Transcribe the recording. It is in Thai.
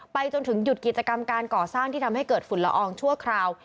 จนถึงหยุดกิจกรรมการก่อสร้างที่ทำให้เกิดฝุ่นละอองชั่วคราว